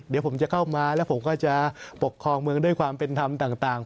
เดี๋ยวผมจะเข้ามาแล้วผมก็จะปกครองเมืองด้วยความเป็นธรรมต่าง